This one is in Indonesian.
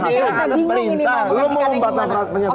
lu mau membantah pernyataan hasim